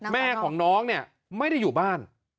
แม่ของน้องเนี่ยไม่ได้อยู่บ้าน